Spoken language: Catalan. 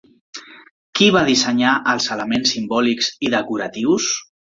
Qui va dissenyar els elements simbòlics i decoratius?